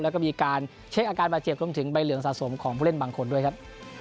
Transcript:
แล้วก็มีการเช็คอาการบาดเจ็บรวมถึงใบเหลืองสะสมของผู้เล่นบางคนด้วยครับ